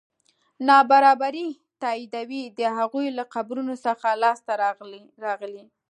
نابرابري تاییدوي د هغوی له قبرونو څخه لاسته راغلي.